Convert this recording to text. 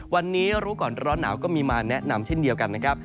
วันนี้รู้ก่อนร้อนหนาวก็มีมาแนะนำเช่นเดียวกันนะครับ